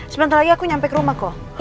sebentar lagi aku nyampe ke rumah kok